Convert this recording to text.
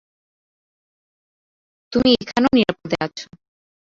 তুমিও এখানে নিরাপদে আছ।